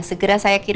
segera saya kirim